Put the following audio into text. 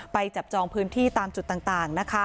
จับจองพื้นที่ตามจุดต่าง